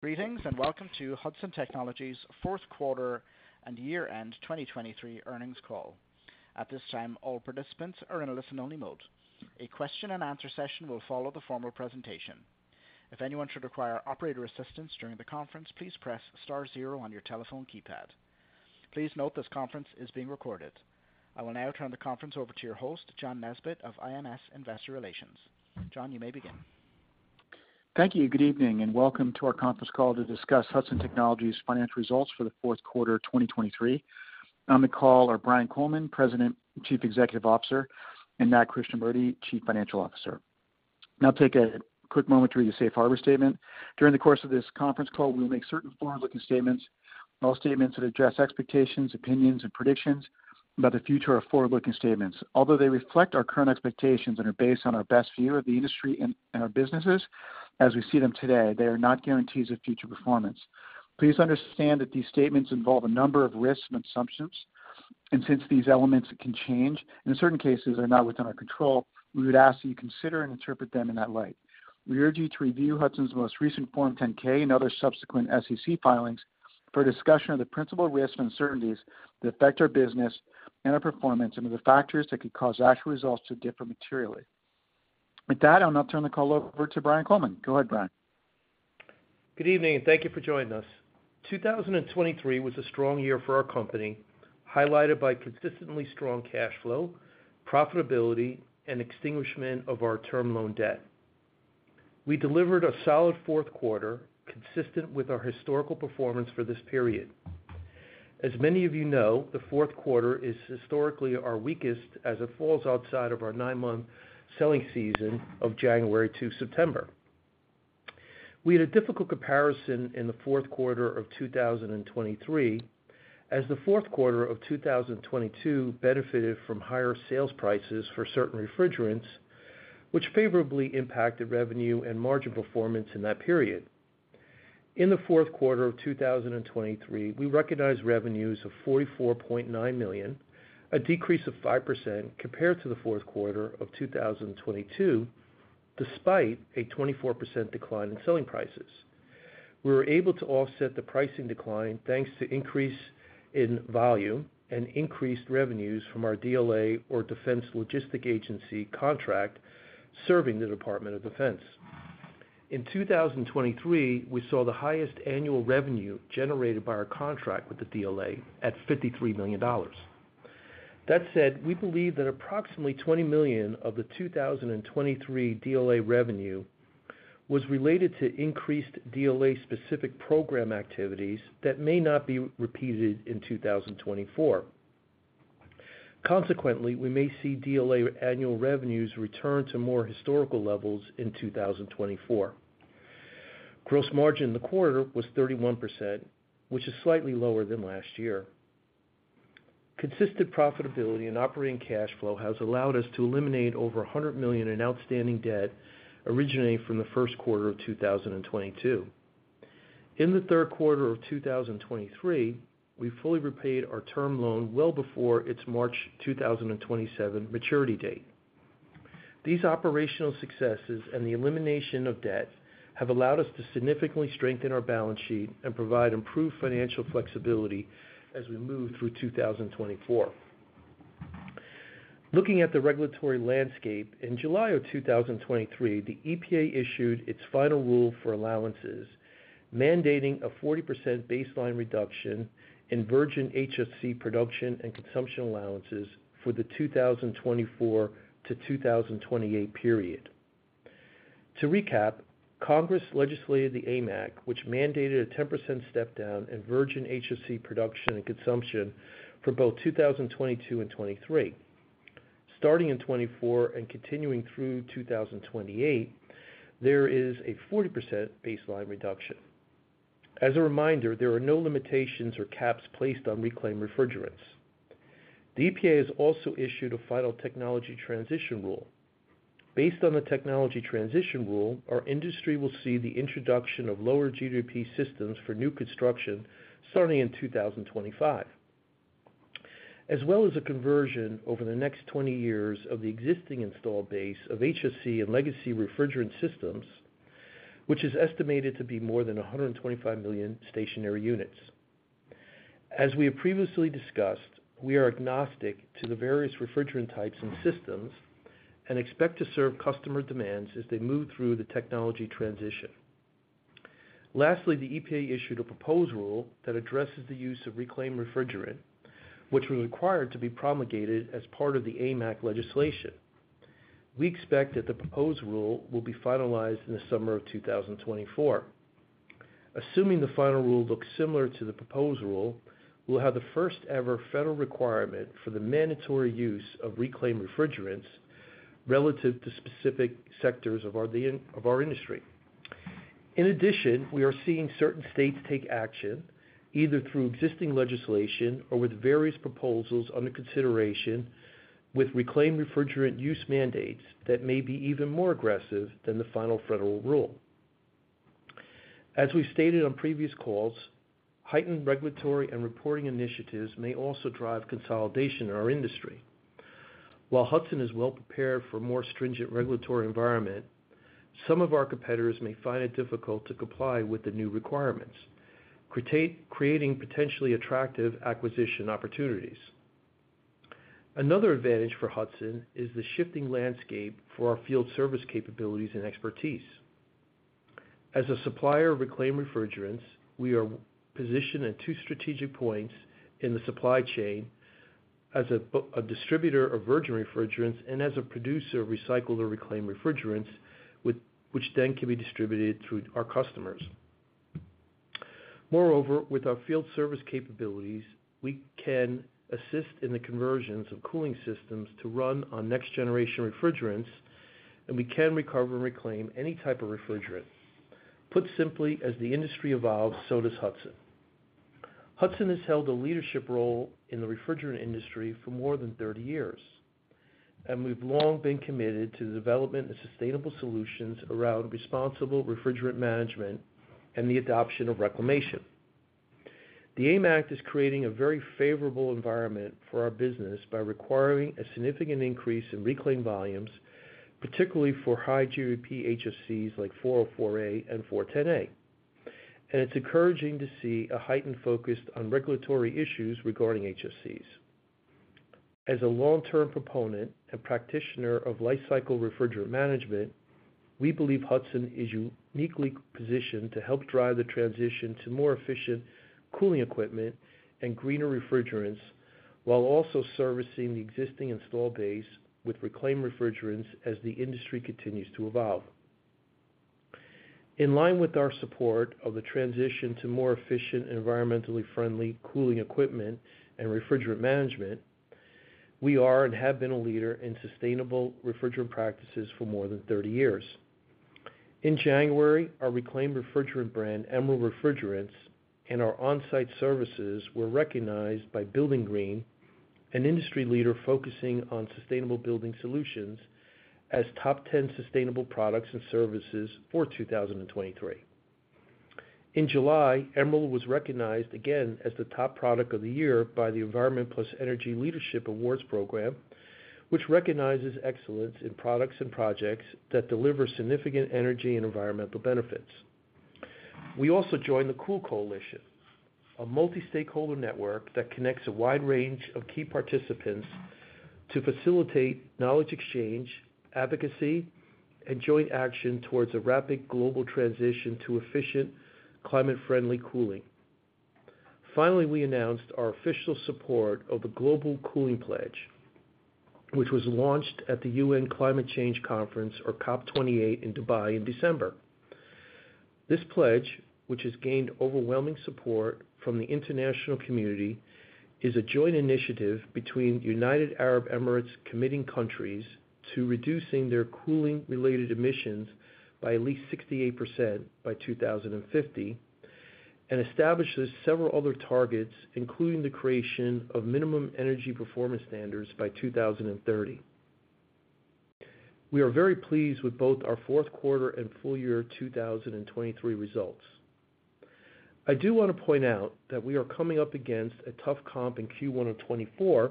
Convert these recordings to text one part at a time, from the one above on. Greetings and welcome to Hudson Technologies' fourth quarter and year-end 2023 earnings call. At this time, all participants are in a listen-only mode. A question-and-answer session will follow the formal presentation. If anyone should require operator assistance during the conference, please press star zero on your telephone keypad. Please note this conference is being recorded. I will now turn the conference over to your host, John Nesbett of IMS Investor Relations. John, you may begin. Thank you. Good evening and welcome to our conference call to discuss Hudson Technologies' financial results for the fourth quarter 2023. On the call are Brian Coleman, President, Chief Executive Officer, and Nat Krishnamurti, Chief Financial Officer. Now take a quick moment to read the safe harbor statement. During the course of this conference call, we will make certain forward-looking statements. All statements that address expectations, opinions, and predictions about the future are forward-looking statements. Although they reflect our current expectations and are based on our best view of the industry and our businesses as we see them today, they are not guarantees of future performance. Please understand that these statements involve a number of risks and assumptions, and since these elements can change and in certain cases are not within our control, we would ask that you consider and interpret them in that light. We urge you to review Hudson's most recent Form 10-K and other subsequent SEC filings for a discussion of the principal risks and uncertainties that affect our business and our performance and of the factors that could cause actual results to differ materially. With that, I will now turn the call over to Brian Coleman. Go ahead, Brian. Good evening and thank you for joining us. 2023 was a strong year for our company, highlighted by consistently strong cash flow, profitability, and extinguishment of our term loan debt. We delivered a solid fourth quarter consistent with our historical performance for this period. As many of you know, the fourth quarter is historically our weakest as it falls outside of our nine-month selling season of January to September. We had a difficult comparison in the fourth quarter of 2023 as the fourth quarter of 2022 benefited from higher sales prices for certain refrigerants, which favorably impacted revenue and margin performance in that period. In the fourth quarter of 2023, we recognized revenues of $44.9 million, a decrease of 5% compared to the fourth quarter of 2022 despite a 24% decline in selling prices. We were able to offset the pricing decline thanks to increase in volume and increased revenues from our DLA or Defense Logistics Agency contract serving the Department of Defense. In 2023, we saw the highest annual revenue generated by our contract with the DLA at $53 million. That said, we believe that approximately $20 million of the 2023 DLA revenue was related to increased DLA-specific program activities that may not be repeated in 2024. Consequently, we may see DLA annual revenues return to more historical levels in 2024. Gross margin in the quarter was 31%, which is slightly lower than last year. Consistent profitability and operating cash flow has allowed us to eliminate over $100 million in outstanding debt originating from the first quarter of 2022. In the third quarter of 2023, we fully repaid our term loan well before its March 2027 maturity date. These operational successes and the elimination of debt have allowed us to significantly strengthen our balance sheet and provide improved financial flexibility as we move through 2024. Looking at the regulatory landscape, in July of 2023, the EPA issued its final rule for allowances mandating a 40% baseline reduction in virgin HFC production and consumption allowances for the 2024 to 2028 period. To recap, Congress legislated the AIM Act, which mandated a 10% step-down in virgin HFC production and consumption for both 2022 and 2023. Starting in 2024 and continuing through 2028, there is a 40% baseline reduction. As a reminder, there are no limitations or caps placed on reclaimed refrigerants. The EPA has also issued a final technology transition rule. Based on the technology transition rule, our industry will see the introduction of lower GWP systems for new construction starting in 2025, as well as a conversion over the next 20 years of the existing installed base of HFC and legacy refrigerant systems, which is estimated to be more than 125 million stationary units. As we have previously discussed, we are agnostic to the various refrigerant types and systems and expect to serve customer demands as they move through the technology transition. Lastly, the EPA issued a proposed rule that addresses the use of reclaimed refrigerant, which was required to be promulgated as part of the AIM Act legislation. We expect that the proposed rule will be finalized in the summer of 2024. Assuming the final rule looks similar to the proposed rule, we'll have the first-ever federal requirement for the mandatory use of reclaimed refrigerants relative to specific sectors of our industry. In addition, we are seeing certain states take action either through existing legislation or with various proposals under consideration with reclaimed refrigerant use mandates that may be even more aggressive than the final federal rule. As we've stated on previous calls, heightened regulatory and reporting initiatives may also drive consolidation in our industry. While Hudson is well prepared for a more stringent regulatory environment, some of our competitors may find it difficult to comply with the new requirements, creating potentially attractive acquisition opportunities. Another advantage for Hudson is the shifting landscape for our field service capabilities and expertise. As a supplier of reclaimed refrigerants, we are positioned at two strategic points in the supply chain: as a distributor of virgin refrigerants and as a producer of recycled or reclaimed refrigerants, which then can be distributed through our customers. Moreover, with our field service capabilities, we can assist in the conversions of cooling systems to run on next-generation refrigerants, and we can recover and reclaim any type of refrigerant. Put simply, as the industry evolves, so does Hudson. Hudson has held a leadership role in the refrigerant industry for more than 30 years, and we've long been committed to the development of sustainable solutions around responsible refrigerant management and the adoption of reclamation. The AIM Act is creating a very favorable environment for our business by requiring a significant increase in reclaim volumes, particularly for high GWP HFCs like R-404A and R-410A, and it's encouraging to see a heightened focus on regulatory issues regarding HFCs. As a long-term proponent and practitioner of lifecycle refrigerant management, we believe Hudson is uniquely positioned to help drive the transition to more efficient cooling equipment and greener refrigerants while also servicing the existing installed base with reclaimed refrigerants as the industry continues to evolve. In line with our support of the transition to more efficient, environmentally friendly cooling equipment and refrigerant management, we are and have been a leader in sustainable refrigerant practices for more than 30 years. In January, our reclaimed refrigerant brand, EMERALD Refrigerants, and our on-site services were recognized by BuildingGreen, an industry leader focusing on sustainable building solutions as top 10 sustainable products and services for 2023. In July, EMERALD was recognized again as the top product of the year by the Environment + Energy Leader Awards program, which recognizes excellence in products and projects that deliver significant energy and environmental benefits. We also joined the Cool Coalition, a multi-stakeholder network that connects a wide range of key participants to facilitate knowledge exchange, advocacy, and joint action towards a rapid global transition to efficient, climate-friendly cooling. Finally, we announced our official support of the Global Cooling Pledge, which was launched at the UN Climate Change Conference, or COP28, in Dubai in December. This pledge, which has gained overwhelming support from the international community, is a joint initiative between the United Arab Emirates committing countries to reducing their cooling-related emissions by at least 68% by 2050 and establishes several other targets, including the creation of minimum energy performance standards by 2030. We are very pleased with both our fourth quarter and full-year 2023 results. I do want to point out that we are coming up against a tough comp in Q1 of 2024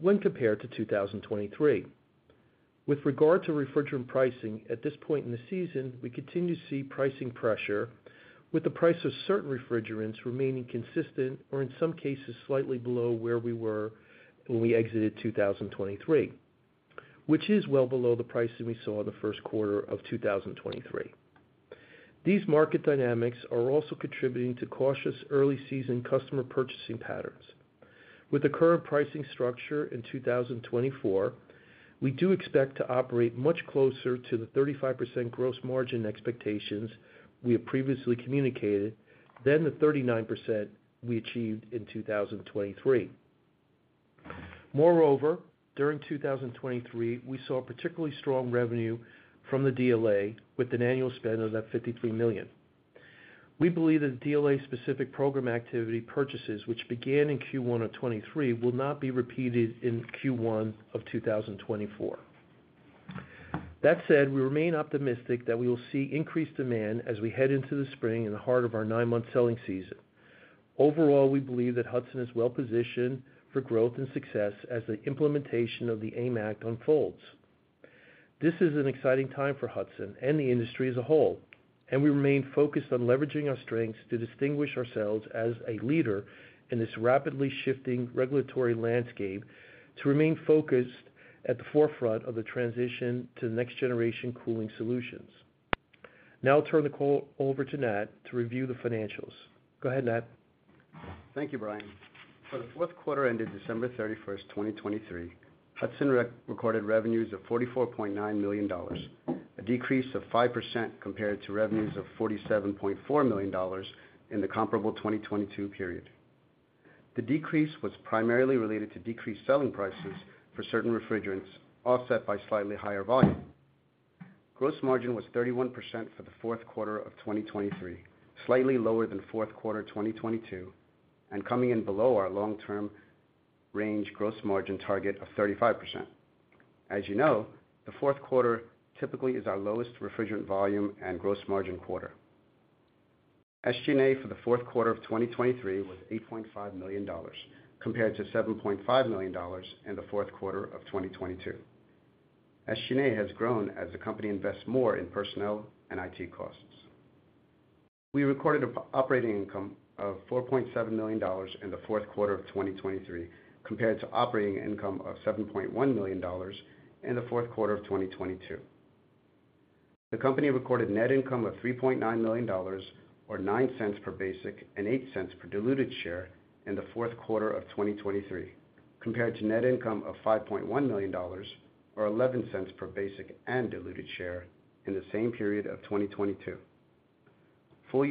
when compared to 2023. With regard to refrigerant pricing, at this point in the season, we continue to see pricing pressure, with the price of certain refrigerants remaining consistent or, in some cases, slightly below where we were when we exited 2023, which is well below the pricing we saw in the first quarter of 2023. These market dynamics are also contributing to cautious early-season customer purchasing patterns. With the current pricing structure in 2024, we do expect to operate much closer to the 35% gross margin expectations we have previously communicated than the 39% we achieved in 2023. Moreover, during 2023, we saw particularly strong revenue from the DLA with an annual spend of $53 million. We believe that the DLA-specific program activity purchases, which began in Q1 of 2023, will not be repeated in Q1 of 2024. That said, we remain optimistic that we will see increased demand as we head into the spring in the heart of our nine-month selling season. Overall, we believe that Hudson is well positioned for growth and success as the implementation of the AIM Act unfolds. This is an exciting time for Hudson and the industry as a whole, and we remain focused on leveraging our strengths to distinguish ourselves as a leader in this rapidly shifting regulatory landscape to remain focused at the forefront of the transition to next-generation cooling solutions. Now I'll turn the call over to Nat to review the financials. Go ahead, Nat. Thank you, Brian. For the fourth quarter ended December 31st, 2023, Hudson recorded revenues of $44.9 million, a decrease of 5% compared to revenues of $47.4 million in the comparable 2022 period. The decrease was primarily related to decreased selling prices for certain refrigerants, offset by slightly higher volume. Gross margin was 31% for the fourth quarter of 2023, slightly lower than fourth quarter 2022 and coming in below our long-term range gross margin target of 35%. As you know, the fourth quarter typically is our lowest refrigerant volume and gross margin quarter. SG&A for the fourth quarter of 2023 was $8.5 million compared to $7.5 million in the fourth quarter of 2022. SG&A has grown as the company invests more in personnel and IT costs. We recorded an operating income of $4.7 million in the fourth quarter of 2023 compared to operating income of $7.1 million in the fourth quarter of 2022. The company recorded net income of $3.9 million or $0.09 per basic and $0.08 per diluted share in the fourth quarter of 2023 compared to net income of $5.1 million or $0.11 per basic and diluted share in the same period of 2022. For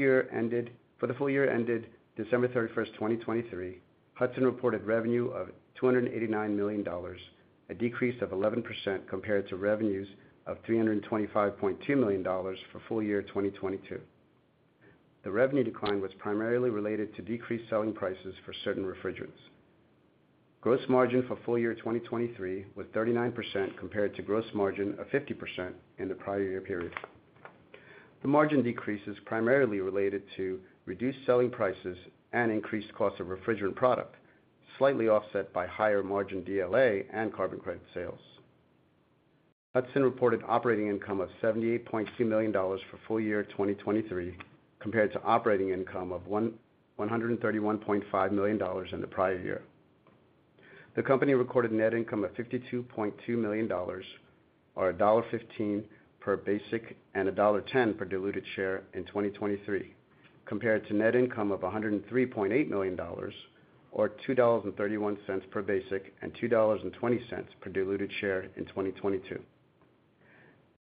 the full year ended December 31st, 2023, Hudson reported revenue of $289 million, a decrease of 11% compared to revenues of $325.2 million for full year 2022. The revenue decline was primarily related to decreased selling prices for certain refrigerants. Gross margin for full year 2023 was 39% compared to gross margin of 50% in the prior year period. The margin decrease is primarily related to reduced selling prices and increased cost of refrigerant product, slightly offset by higher margin DLA and carbon credit sales. Hudson reported operating income of $78.2 million for full year 2023 compared to operating income of $131.5 million in the prior year. The company recorded net income of $52.2 million or $1.15 per basic and $1.10 per diluted share in 2023 compared to net income of $103.8 million or $2.31 per basic and $2.20 per diluted share in 2022.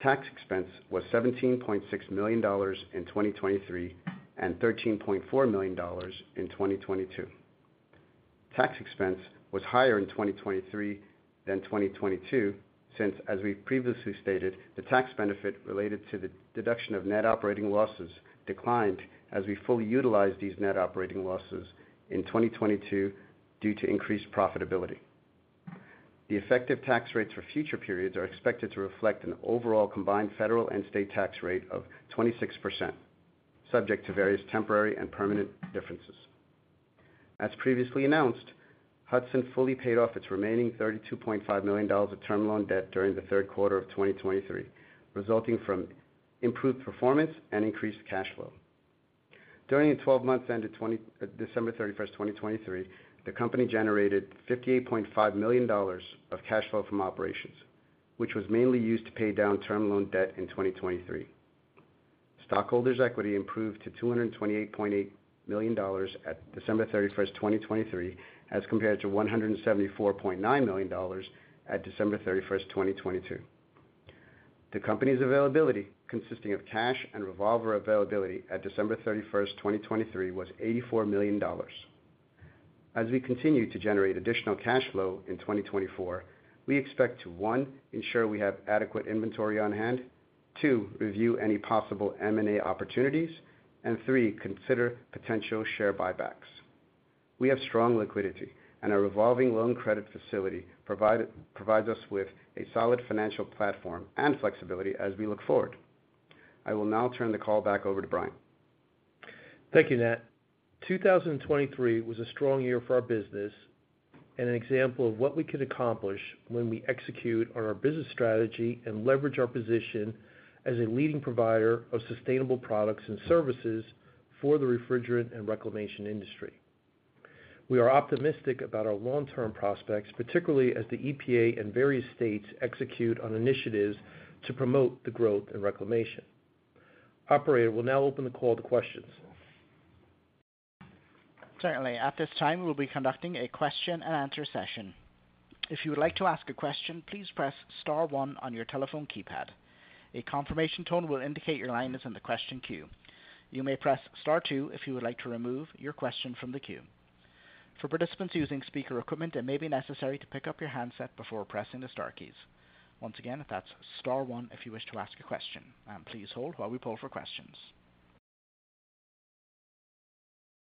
Tax expense was $17.6 million in 2023 and $13.4 million in 2022. Tax expense was higher in 2023 than 2022 since, as we've previously stated, the tax benefit related to the deduction of net operating losses declined as we fully utilized these net operating losses in 2022 due to increased profitability. The effective tax rates for future periods are expected to reflect an overall combined federal and state tax rate of 26%, subject to various temporary and permanent differences. As previously announced, Hudson fully paid off its remaining $32.5 million of term loan debt during the third quarter of 2023, resulting from improved performance and increased cash flow. During the 12 months ended December 31st, 2023, the company generated $58.5 million of cash flow from operations, which was mainly used to pay down term loan debt in 2023. Stockholders' equity improved to $228.8 million at December 31st, 2023, as compared to $174.9 million at December 31st, 2022. The company's availability, consisting of cash and revolver availability at December 31st, 2023, was $84 million. As we continue to generate additional cash flow in 2024, we expect to, one, ensure we have adequate inventory on hand, two, review any possible M&A opportunities, and three, consider potential share buybacks. We have strong liquidity, and our revolving loan credit facility provides us with a solid financial platform and flexibility as we look forward. I will now turn the call back over to Brian. Thank you, Nat. 2023 was a strong year for our business and an example of what we could accomplish when we execute on our business strategy and leverage our position as a leading provider of sustainable products and services for the refrigerant and reclamation industry. We are optimistic about our long-term prospects, particularly as the EPA and various states execute on initiatives to promote the growth and reclamation. Operator will now open the call to questions. Certainly. At this time, we will be conducting a question-and-answer session. If you would like to ask a question, please press star one on your telephone keypad. A confirmation tone will indicate your line is in the question queue. You may press star two if you would like to remove your question from the queue. For participants using speaker equipment, it may be necessary to pick up your handset before pressing the star keys. Once again, that's star one if you wish to ask a question. Please hold while we pull for questions.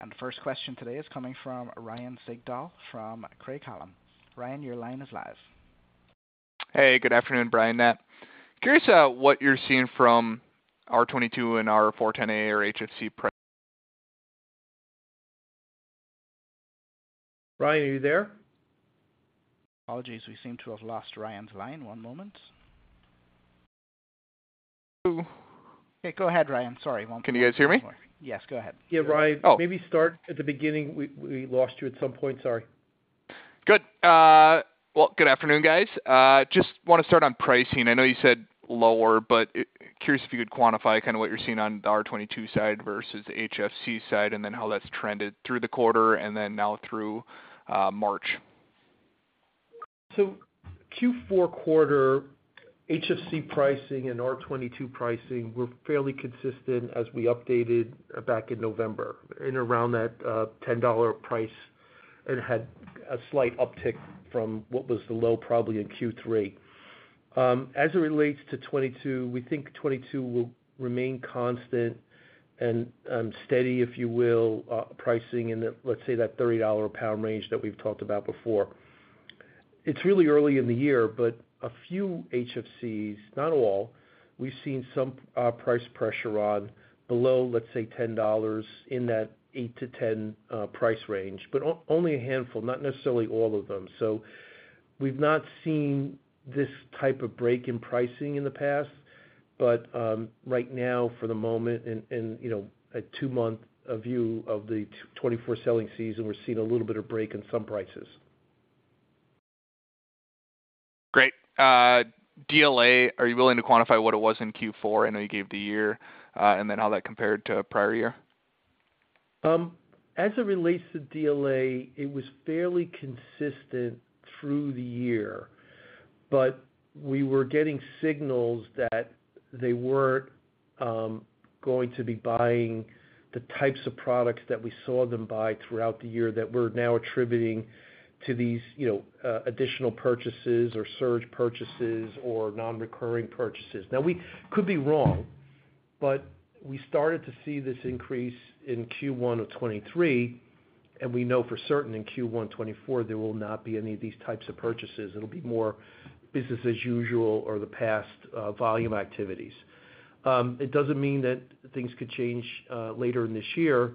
The first question today is coming from Ryan Sigdahl from Craig-Hallum. Ryan, your line is live. Hey. Good afternoon, Brian, Nat. Curious what you're seeing from R-22 and R-410A or HFC? Ryan, are you there? Apologies. We seem to have lost Ryan's line. One moment. Ooh. Hey, go ahead, Ryan. Sorry. One moment. Can you guys hear me? Yes, go ahead. Yeah, Ryan, maybe start at the beginning. We lost you at some point. Sorry. Good. Well, good afternoon, guys. Just want to start on pricing. I know you said lower, but curious if you could quantify kind of what you're seeing on the R-22 side versus the HFC side and then how that's trended through the quarter and then now through March. So Q4 quarter, HFC pricing and R-22 pricing were fairly consistent as we updated back in November, in around that $10 price, and had a slight uptick from what was the low probably in Q3. As it relates to R-22, we think R-22 will remain constant and steady, if you will, pricing in, let's say, that $30/lb range that we've talked about before. It's really early in the year, but a few HFCs, not all, we've seen some price pressure on below, let's say, $10 in that $8-$10 price range, but only a handful, not necessarily all of them. So we've not seen this type of break in pricing in the past. But right now, for the moment, in a two-month view of the 2024 selling season, we're seeing a little bit of break in some prices. Great. DLA, are you willing to quantify what it was in Q4? I know you gave the year and then how that compared to prior year. As it relates to DLA, it was fairly consistent through the year. But we were getting signals that they weren't going to be buying the types of products that we saw them buy throughout the year that we're now attributing to these additional purchases or surge purchases or non-recurring purchases. Now, we could be wrong, but we started to see this increase in Q1 of 2023, and we know for certain in Q1 2024, there will not be any of these types of purchases. It'll be more business as usual or the past volume activities. It doesn't mean that things could change later in this year.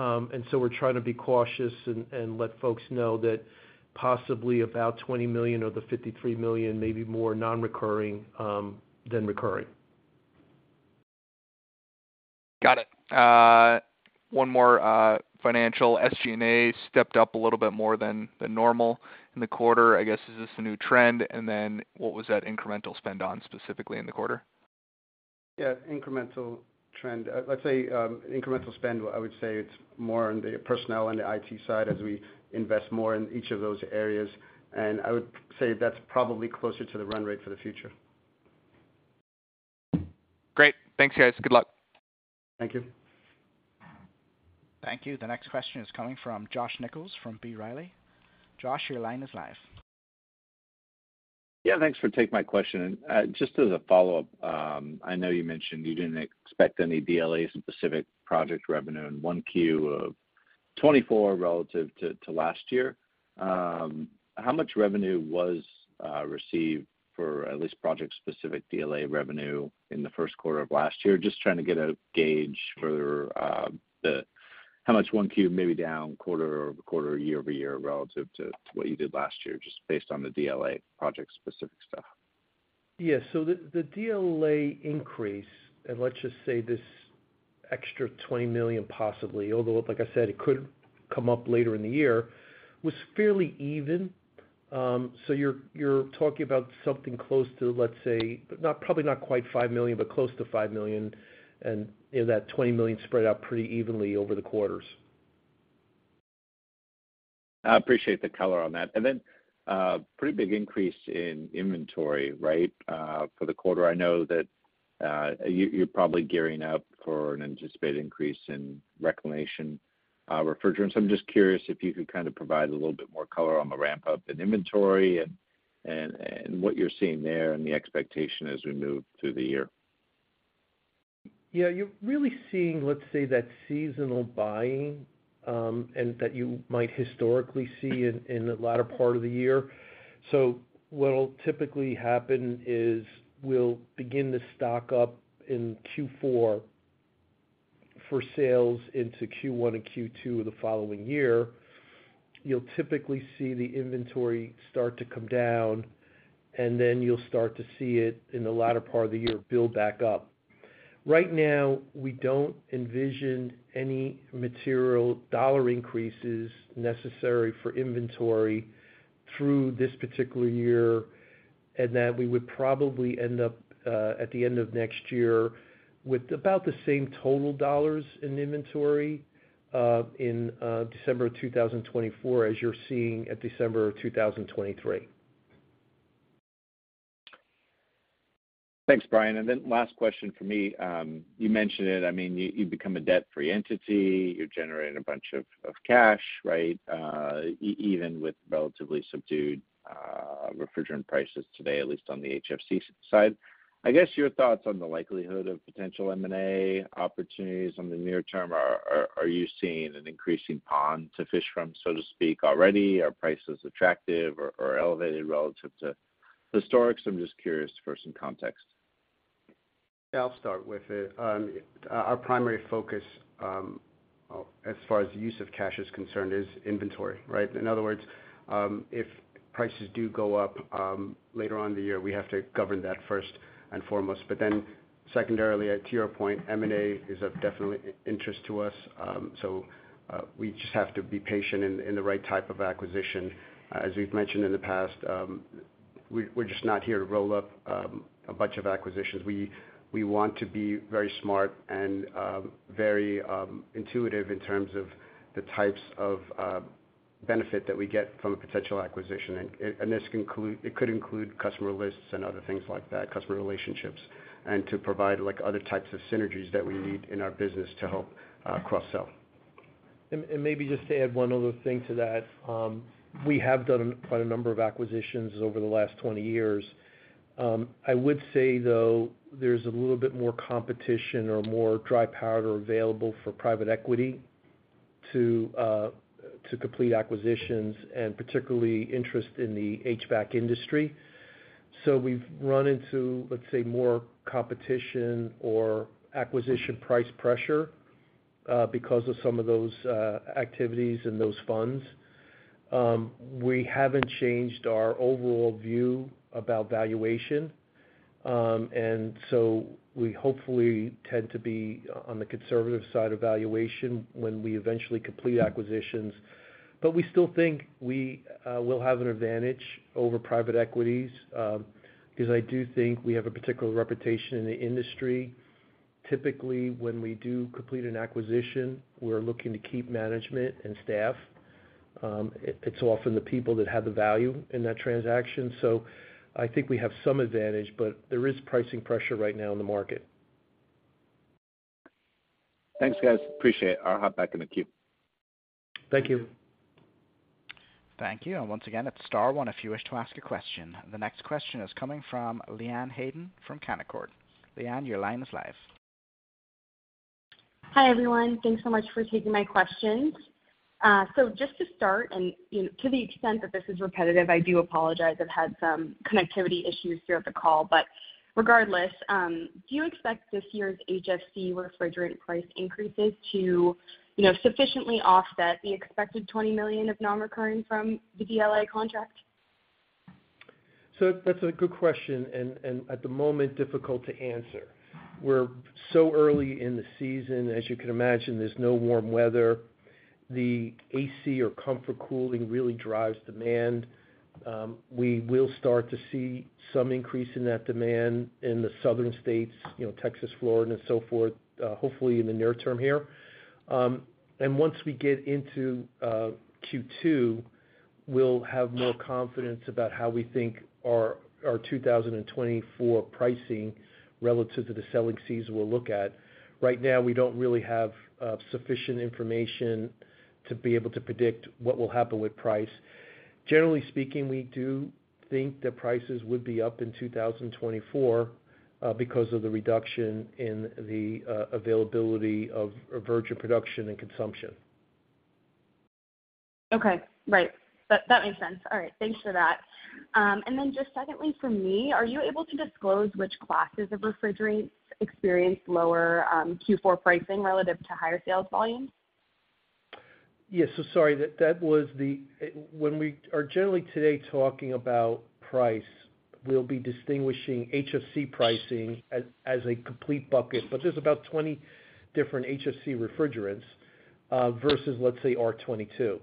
And so we're trying to be cautious and let folks know that possibly about $20 million of the $53 million, maybe more non-recurring than recurring. Got it. One more financial. SG&A stepped up a little bit more than normal in the quarter. I guess, is this a new trend? And then what was that incremental spend on specifically in the quarter? Yeah, incremental trend. Let's say incremental spend, I would say it's more on the personnel and the IT side as we invest more in each of those areas. And I would say that's probably closer to the run rate for the future. Great. Thanks, guys. Good luck. Thank you. Thank you. The next question is coming from Josh Nichols from B. Riley. Josh, your line is live. Yeah, thanks for taking my question. And just as a follow-up, I know you mentioned you didn't expect any DLA-specific project revenue in 1Q of 2024 relative to last year. How much revenue was received for at least project-specific DLA revenue in the first quarter of last year? Just trying to get a gauge for how much Q1, maybe down quarter-over-quarter, year-over-year relative to what you did last year, just based on the DLA project-specific stuff. Yeah. So the DLA increase, and let's just say this extra $20 million possibly, although, like I said, it could come up later in the year, was fairly even. So you're talking about something close to, let's say, probably not quite $5 million, but close to $5 million, and that $20 million spread out pretty evenly over the quarters. I appreciate the color on that. And then pretty big increase in inventory, right, for the quarter. I know that you're probably gearing up for an anticipated increase in reclaimed refrigerants. I'm just curious if you could kind of provide a little bit more color on the ramp-up in inventory and what you're seeing there and the expectation as we move through the year. Yeah, you're really seeing, let's say, that seasonal buying that you might historically see in the latter part of the year. So what'll typically happen is we'll begin to stock up in Q4 for sales into Q1 and Q2 of the following year. You'll typically see the inventory start to come down, and then you'll start to see it in the latter part of the year build back up. Right now, we don't envision any material dollar increases necessary for inventory through this particular year and that we would probably end up at the end of next year with about the same total dollars in inventory in December of 2024 as you're seeing at December of 2023. Thanks, Brian. And then last question for me. You mentioned it. I mean, you become a debt-free entity. You're generating a bunch of cash, right, even with relatively subdued refrigerant prices today, at least on the HFC side. I guess your thoughts on the likelihood of potential M&A opportunities in the near term. Are you seeing an increasing pond to fish from, so to speak, already? Are prices attractive or elevated relative to historical? I'm just curious for some context. Yeah, I'll start with it. Our primary focus, as far as use of cash is concerned, is inventory, right? In other words, if prices do go up later on the year, we have to govern that first and foremost. But then secondarily, to your point, M&A is of definitely interest to us. So we just have to be patient in the right type of acquisition. As we've mentioned in the past, we're just not here to roll up a bunch of acquisitions. We want to be very smart and very intuitive in terms of the types of benefit that we get from a potential acquisition. And it could include customer lists and other things like that, customer relationships, and to provide other types of synergies that we need in our business to help cross-sell. And maybe just to add one other thing to that, we have done quite a number of acquisitions over the last 20 years. I would say, though, there's a little bit more competition or more dry powder available for private equity to complete acquisitions and particularly interest in the HVAC industry. So we've run into, let's say, more competition or acquisition price pressure because of some of those activities and those funds. We haven't changed our overall view about valuation. And so we hopefully tend to be on the conservative side of valuation when we eventually complete acquisitions. But we still think we will have an advantage over private equities because I do think we have a particular reputation in the industry. Typically, when we do complete an acquisition, we're looking to keep management and staff. It's often the people that have the value in that transaction. I think we have some advantage, but there is pricing pressure right now in the market. Thanks, guys. Appreciate it. I'll hop back in the queue. Thank you. Thank you. And once again, it's star one if you wish to ask a question. The next question is coming from Leanne Hayden from Canaccord. Leanne, your line is live. Hi, everyone. Thanks so much for taking my questions. So just to start, and to the extent that this is repetitive, I do apologize. I've had some connectivity issues throughout the call. But regardless, do you expect this year's HFC refrigerant price increases to sufficiently offset the expected $20 million of non-recurring from the DLA contract? That's a good question and at the moment, difficult to answer. We're so early in the season. As you can imagine, there's no warm weather. The AC or comfort cooling really drives demand. We will start to see some increase in that demand in the southern states, Texas, Florida, and so forth, hopefully in the near term here. And once we get into Q2, we'll have more confidence about how we think our 2024 pricing relative to the selling season we'll look at. Right now, we don't really have sufficient information to be able to predict what will happen with price. Generally speaking, we do think that prices would be up in 2024 because of the reduction in the availability of virgin production and consumption. Okay. Right. That makes sense. All right. Thanks for that. And then just secondly for me, are you able to disclose which classes of refrigerants experienced lower Q4 pricing relative to higher sales volumes? Yes. So sorry. That was the when we are generally today talking about price, we'll be distinguishing HFC pricing as a complete bucket. But there's about 20 different HFC refrigerants versus, let's say, R-22.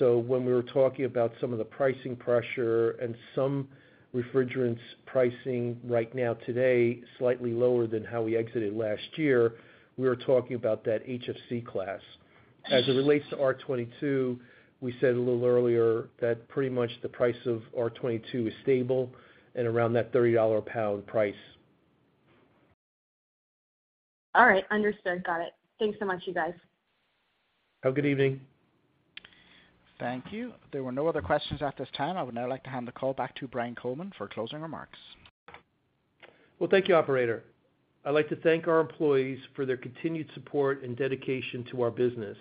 So when we were talking about some of the pricing pressure and some refrigerants' pricing right now today slightly lower than how we exited last year, we were talking about that HFC class. As it relates to R-22, we said a little earlier that pretty much the price of R-22 is stable and around that $30/lb price. All right. Understood. Got it. Thanks so much, you guys. Have a good evening. Thank you. There were no other questions at this time. I would now like to hand the call back to Brian Coleman for closing remarks. Well, thank you, operator. I'd like to thank our employees for their continued support and dedication to our business,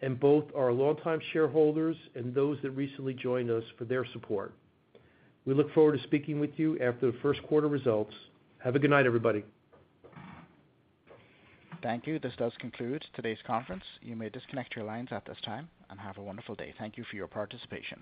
and both our long-time shareholders and those that recently joined us for their support. We look forward to speaking with you after the first quarter results. Have a good night, everybody. Thank you. This does conclude today's conference. You may disconnect your lines at this time and have a wonderful day. Thank you for your participation.